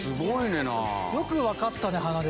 よく分かったね鼻で。